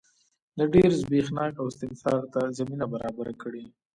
د ډېر زبېښاک او استثمار ته زمینه برابره کړي.